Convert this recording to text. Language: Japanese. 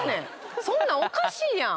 そんなんおかしいやん。